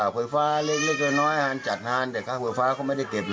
ไฟฟ้าเล็กน้อยอาหารจัดอาหารเหลือไฟฟ้าเขาไม่ได้เก็บเลย